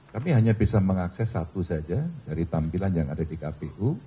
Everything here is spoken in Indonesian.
kami hanya bisa mengakses satu saja dari tampilan yang ada di kpu